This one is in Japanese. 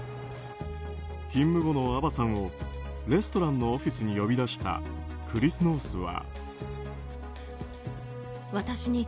勤務後のアヴァさんをレストランのオフィスに呼び出したクリス・ノースは。